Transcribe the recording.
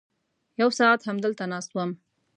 یو ساعت همدلته ناست وم.